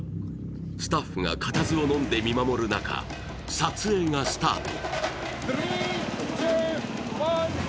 スタッフが固唾をのんで見守る中、撮影がスタート。